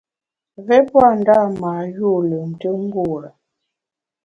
Mvé pua ndâ mâ yû lùmntùm ngure.